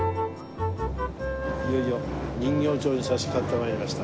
いよいよ人形町に差しかかって参りました。